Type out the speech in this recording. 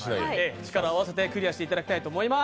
力を合わせてクリアしていただきたいと思います。